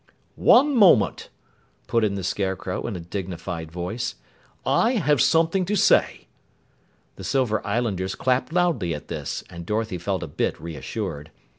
"One moment," put in the Scarecrow in a dignified voice. "I have something to say." The Silver Islanders clapped loudly at this, and Dorothy felt a bit reassured.